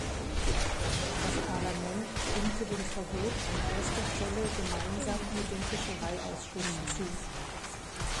Das Parlament stimmte dem Verbot an erster Stelle gemeinsam mit dem Fischereiausschuss zu.